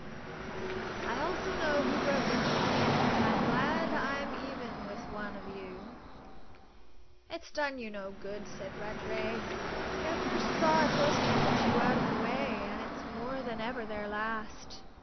"I also know who broke into my room, and I'm glad I'm even with one of you." "It's done you no good," said Rattray. "Their first thought was to put you out of the way, and it's more than ever their last.